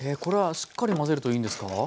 これはしっかり混ぜるといいんですか？